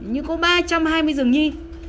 như có ba trăm hai mươi giường nhi